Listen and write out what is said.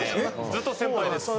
ずっと先輩です。